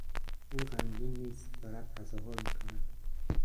او غمگین نیست، دارد تظاهر میکند.